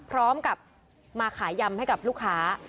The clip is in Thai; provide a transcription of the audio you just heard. พร้อมกับมาขายยำให้กับลูกค้า